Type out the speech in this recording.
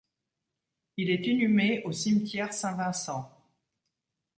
Il est inhumé au Cimetière Saint-Vincent.